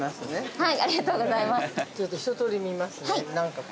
◆はい。